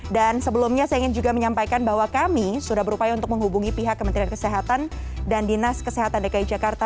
dan sebelumnya saya ingin juga menyampaikan bahwa kami sudah berupaya untuk menghubungi pihak kementerian kesehatan dan dinas kesehatan dki jakarta